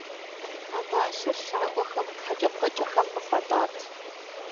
А мащэр щакӀуэхэм хьэкӀэкхъуэкӀэхэм къыхуатӀат.